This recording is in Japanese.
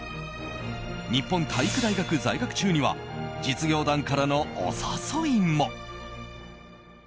日本体育大学在学中には実業団からのお誘いも。